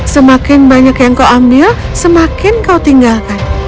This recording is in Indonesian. semakin banyak yang kau ambil semakin kau tinggalkan